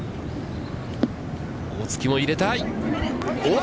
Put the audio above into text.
大槻も入れたい。